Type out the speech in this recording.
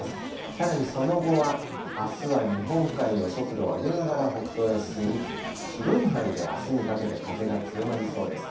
さらにその後は、あすは日本海を速度を上げながら北東へ進み、広い範囲であすにかけて風が強まりそうです。